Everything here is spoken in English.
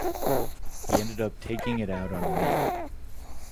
He ended up taking it out on me.